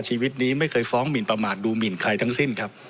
ชีวิตนี้ไม่เคยฟ้องหมินประมาทดูหมินใครทั้งสิ้นครับ